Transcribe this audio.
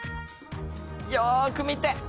よーく見て。